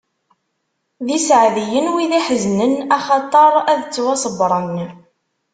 D iseɛdiyen, wid iḥeznen, axaṭer ad ttwaṣebbren!